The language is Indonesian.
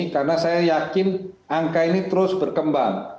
karena saya yakin angka ini terus berkembang